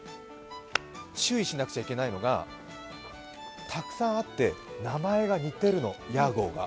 注意しなくちゃいけないのがたくさんあって、名前が似てるの、屋号が。